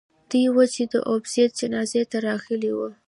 دوی وو چې د ابوزید جنازې ته راغلي وو.